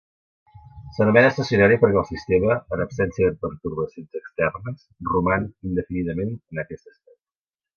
S'anomena estacionari perquè el sistema, en absència de pertorbacions externes, roman indefinidament en aquest estat.